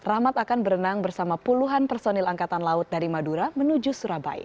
rahmat akan berenang bersama puluhan personil angkatan laut dari madura menuju surabaya